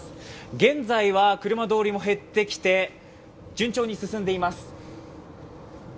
現在は車通りも減ってきて順調に進んでいます。